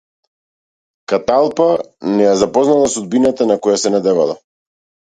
Каталпа не ја запознала судбината на која се надевала.